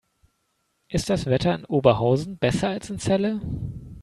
Ist das Wetter in Oberhausen besser als in Celle?